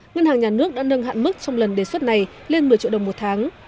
ngân hàng nhà nước đã nâng hạn mức trong lần đề xuất này lên một mươi triệu đồng một tháng